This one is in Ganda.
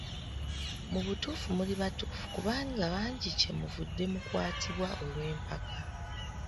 Mu butuufu muli batuufu kubanga bangi kye muvudde mukwatibwa olw'empaka.